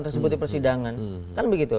tersebut di persidangan